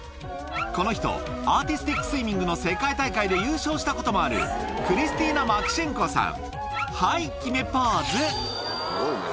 この人、アーティスティックスイミングの世界大会で優勝したこともある、クリスティーナ・マクシェンコさん。